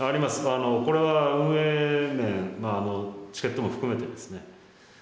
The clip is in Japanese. これは運営面チケットも含めてですね。